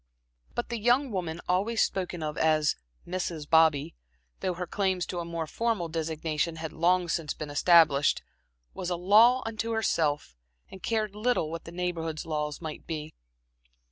But the young woman always spoken of as "Mrs. Bobby" though her claims to a more formal designation had long since been established, was a law unto herself and cared little what the Neighborhood's laws might be.